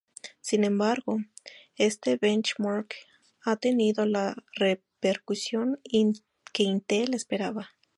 Sin embargo, este benchmark no ha tenido la repercusión que Intel esperaba.